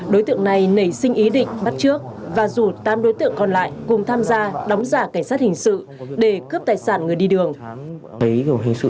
đối tượng này nảy sinh ý định bắt trước và rủ tám đối tượng còn lại cùng tham gia đóng giả cảnh sát hình sự